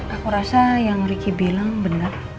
aku rasa yang ricky bilang benar